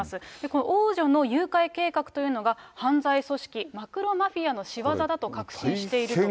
この王女の誘拐計画というのが、犯罪組織、モクロ・マフィアの仕業だと確信していると。